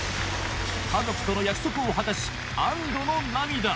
家族との約束を果たし安堵の涙